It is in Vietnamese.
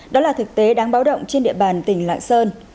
đó là thực tế đáng báo động trên địa bàn tỉnh lạng sơn